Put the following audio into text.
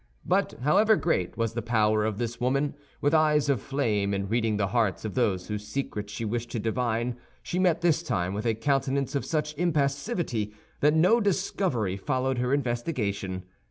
But however great was the power of this woman with eyes of flame in reading the hearts of those whose secrets she wished to divine, she met this time with a countenance of such impassivity that no discovery followed her investigation.